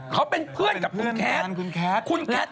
เขาเป็นเพื่อนกับคุณแคท